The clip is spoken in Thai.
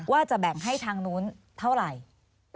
ว่าจะแบ่งให้ทางนู้นเท่าไหร่